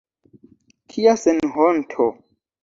Kia senhonto!